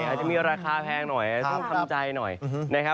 อาจจะมีราคาแพงหน่อยต้องทำใจหน่อยนะครับ